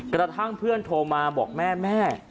กระทั่งเพื่อนโทรมาบอกแม่แม่